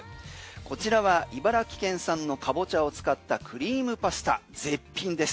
こちらは茨城県産のカボチャを使ったクリームパスタ、絶品です。